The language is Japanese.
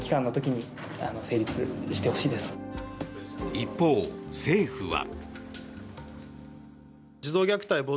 一方、政府は。